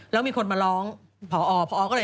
แล้วมีคนมาร้องพอพอก็เลย